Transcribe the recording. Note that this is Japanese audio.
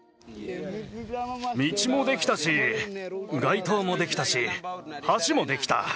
道もできたし、街灯もできたし、橋もできた。